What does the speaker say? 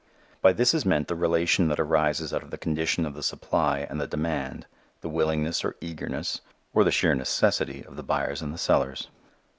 By this is meant the relation that arises out of the condition of the supply and the demand, the willingness or eagerness, or the sheer necessity, of the buyers and the sellers.